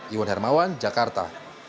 iwan hermawan jakarta